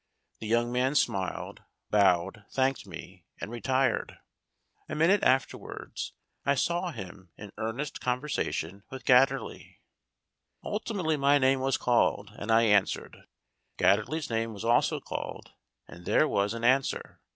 The young man smiled, bowed, thanked me, and re tired. A minute afterwards I saw him in earnest con versation with Gatterley. Ultimately my name was called, and I answered. Gatterley's name was also called, and there was an answer.